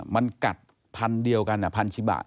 มันกัดพันเดียวกันพันชิบะ